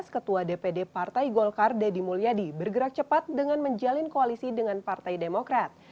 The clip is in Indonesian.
ketua dpd partai golkar deddy mulyadi bergerak cepat dengan menjalin koalisi dengan partai demokrat